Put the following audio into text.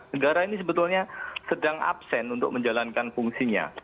negara ini sebetulnya sedang absen untuk menjalankan fungsinya